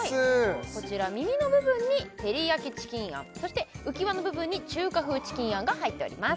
こちら耳の部分に照り焼きチキン餡そして浮き輪の部分に中華風チキン餡が入っております